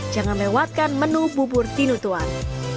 jangan lewatkan menu bubur tinutuan